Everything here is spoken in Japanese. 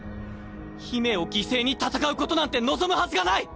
姫を犠牲に戦うことなんて望むはずがない！